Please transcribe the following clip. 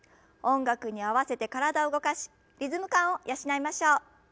音楽に合わせて体を動かしリズム感を養いましょう。